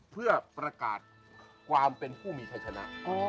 เพื่อประกาศความเป็นผู้มีชัยชนะ